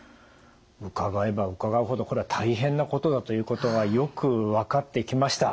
伺えば伺うほどこれは大変なことだということがよく分かってきました。